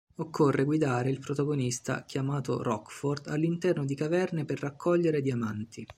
Occorre guidare il protagonista, chiamato Rockford, all'interno di caverne per raccogliere diamanti.